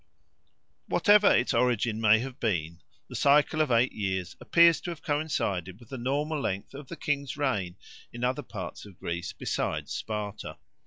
Whatever its origin may have been, the cycle of eight years appears to have coincided with the normal length of the king's reign in other parts of Greece besides Sparta.